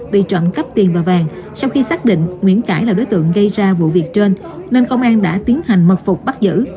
bị trộm cắp tiền và vàng sau khi xác định nguyễn cãi là đối tượng gây ra vụ việc trên nên công an đã tiến hành mật phục bắt giữ